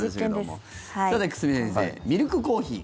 さて、久住先生ミルクコーヒー。